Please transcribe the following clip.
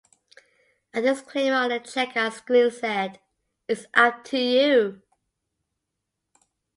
A disclaimer on the checkout screen said, It's up to you.